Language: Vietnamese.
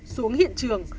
xuống hiện trường